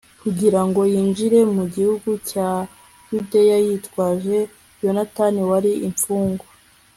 kugira ngo yinjire mu gihugu cya yudeya, yitwaje yonatani wari imfungwa